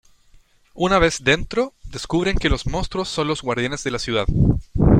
Una vez dentro, descubren que los monstruos son los guardianes de la ciudad.